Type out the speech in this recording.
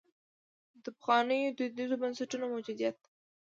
د پخوانیو دودیزو بنسټونو موجودیت.